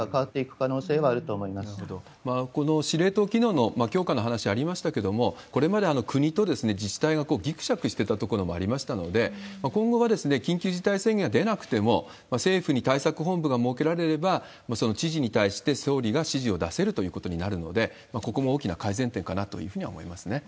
この司令塔機能の強化の話ありましたけれども、これまで国と自治体がぎくしゃくしてたところもありましたので、今後は緊急事態宣言が出なくても、政府に対策本部が設けられれば、その知事に対して総理が指示を出せるということになるので、ここも大きな改善点かなというふうには思いますね。